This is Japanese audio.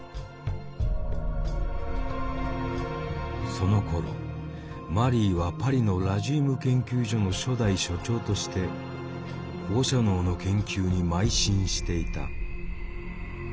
そのころマリーはパリのラジウム研究所の初代所長として放射能の研究にまい進していた。